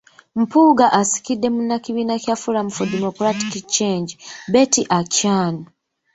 Mpuuga asikidde munnakibiina kya Forum for Democratic Change, Betty Achan.